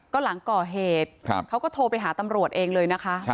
ก็หลังก่อเหตุเขาก็โทรไปหาตำรวจเองเลยนะคะ